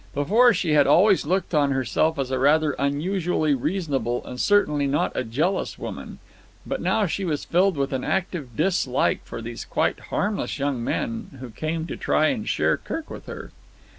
Before she had always looked on herself as a rather unusually reasonable, and certainly not a jealous, woman. But now she was filled with an active dislike for these quite harmless young men who came to try and share Kirk with her.